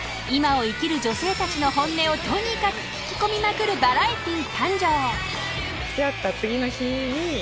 今を生きる女性たちの本音をとにかく聞き込みまくるバラエティー誕生］